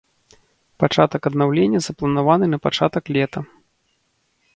Пачатак аднаўлення запланаваны на пачатак лета.